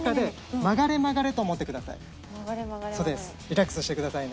曲がれ曲がれと思ってください。